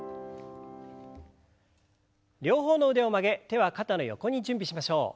両方の腕を曲げ手は肩の横に準備しましょう。